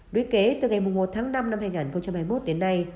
đuy kế từ ngày một tháng năm năm hai nghìn hai mươi một đến nay